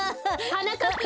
はなかっぱ！